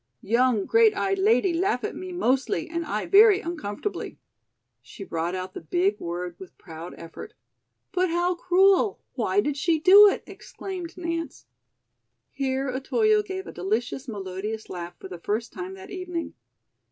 "Young great eyed lady laugh at me mostly and I very uncomfortably." She brought out the big word with proud effort. "But how cruel! Why did she do it?" exclaimed Nance. Here Otoyo gave a delicious melodious laugh for the first time that evening.